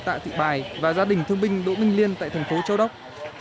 tạ thị bài và gia đình thương binh đỗ minh liên tại thành phố châu đốc